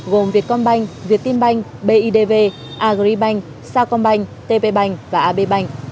gồm việtcombank việt timbank bidv agribank sacombank tpbank và abbank